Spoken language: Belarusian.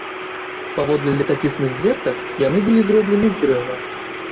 Паводле летапісных звестак, яны былі зроблены з дрэва.